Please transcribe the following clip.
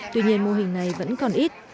tuy nhiên mô hình này vẫn còn ít